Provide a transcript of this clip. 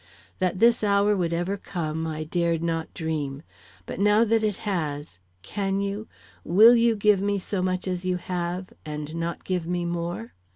That this hour would ever come I dared not dream, but now that it has, can you, will you give me so much as you have, and not give me more?